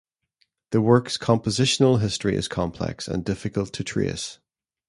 The work's compositional history is complex and difficult to trace.